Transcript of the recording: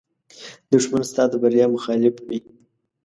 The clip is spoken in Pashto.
دښمن ستا د بریا مخالف وي